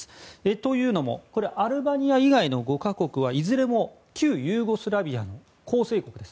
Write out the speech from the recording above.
というのもアルバニア以外の５か国はいずれも旧ユーゴスラビアの構成国です。